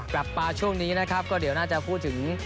กลับมาช่วงนี้นะครับก็เดี๋ยวน่าจะพูดถึง